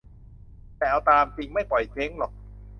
แต่เอาตามจริง ไม่ปล่อยเจ๊งหรอก